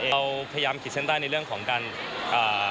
เราพยายามคิดเซ็นต์ได้ในเรื่องของการเอ่อ